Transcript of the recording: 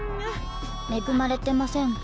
恵まれてませんか？